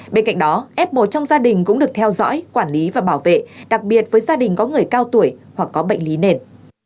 bên cạnh đó f một trong gia đình cũng được theo dõi quản lý và bảo vệ đặc biệt với gia đình có người cao tuổi hoặc có bệnh lý nền